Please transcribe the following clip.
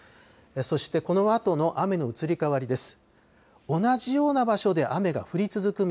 そしてこのあとの雨の移り変わりです。